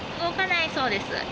動かないそうです。